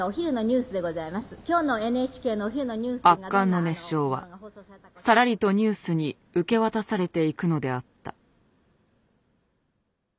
圧巻の熱唱はさらりとニュースに受け渡されていくのであった。